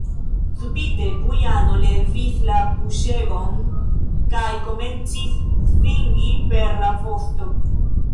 Subite Bujano levis la buŝegon kaj komencis svingi per la vosto.